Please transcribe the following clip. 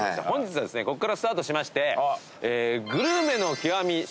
本日はここからスタートしまして「グルメの極み！